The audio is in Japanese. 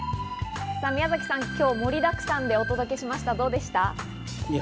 宮崎さん、今日盛りだくさんでお送りしましたが、どうでした？